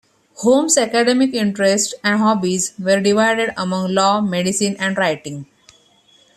Holmes's academic interests and hobbies were divided among law, medicine, and writing.